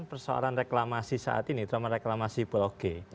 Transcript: pertama sekali reklamasi saat ini trauma reklamasi pog